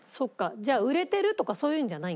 じゃあ売れてるとかそういうのじゃないんですね。